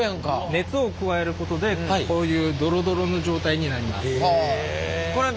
熱を加えることでこういうドロドロの状態になります。